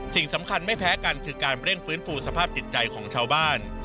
สิ่งสำคัญไม่แพ้กันคือการเร่งฟื้นฟูสภาพจิตใจของชาวบ้าน